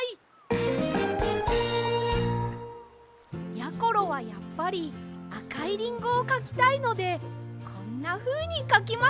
やころはやっぱりあかいリンゴをかきたいのでこんなふうにかきました！